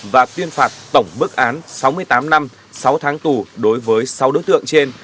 và tuyên phạt tổng bức án sáu mươi tám năm sáu tháng tù đối với sáu đối tượng trên